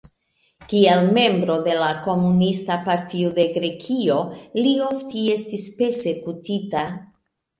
Kiel membro de la Komunista Partio de Grekio li ofte estis persekutita.